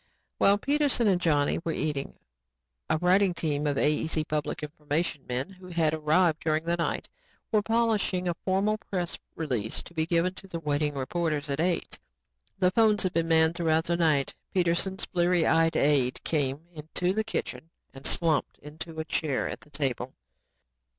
While Peterson and Johnny were eating, a writing team of AEC public information men who had arrived during the night, were polishing a formal press release to be given to the waiting reporters at eight. The phones had been manned throughout the night. Peterson's bleary eyed aide came into the kitchen and slumped into a chair at the table.